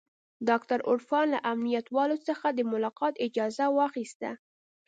ډاکتر عرفان له امنيت والاو څخه د ملاقات اجازه واخيسته.